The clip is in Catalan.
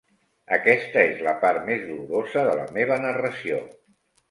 Aquesta és la part més dolorosa de la meva narració.